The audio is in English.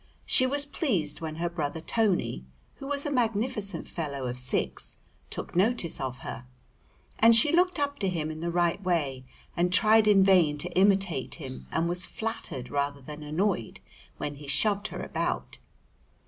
She was pleased when her brother Tony, who was a magnificent fellow of six, took notice of her, and she looked up to him in the right way, and tried in vain to imitate him and was flattered rather than annoyed when he shoved her about.